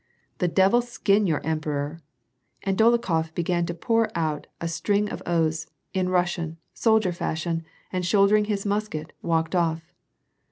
" The devil skin your emperor !" And Dolokhof began to pour out a string of oaths, in Rus sian, soldier fashion, and shouldering his musket, walked off.